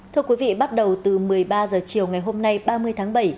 thưa quý vị bắt đầu từ một mươi ba h chiều ngày hôm nay ba mươi tháng bảy